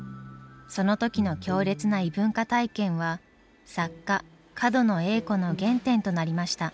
その時の強烈な異文化体験は作家角野栄子の原点となりました。